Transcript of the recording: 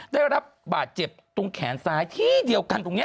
ได้รับบาดเจ็บตรงแขนซ้ายที่เดียวกันตรงนี้